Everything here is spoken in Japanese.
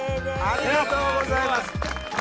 ありがとうございます！